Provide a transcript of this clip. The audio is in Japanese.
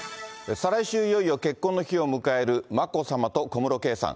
再来週、いよいよ結婚の日を迎える眞子さまと小室圭さん。